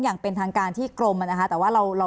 อย่างเป็นทางการที่กลมแต่ว่าเรา